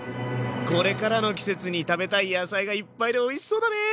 これからの季節に食べたい野菜がいっぱいでおいしそうだね。